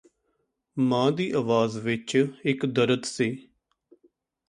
ਮਾਂ ਦੀ ਅਵਾਜ਼ ਵਿੱਚ ਇੱਕ ਦਰਦ ਸੀ